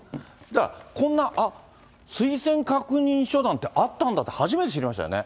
だからこんな、あっ、推薦確認書なんてあったんだと、初めて知りましたよね。